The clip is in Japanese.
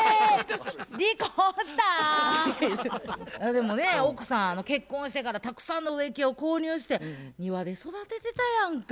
でもね奥さん結婚してからたくさんの植木を購入して庭で育ててたやんか。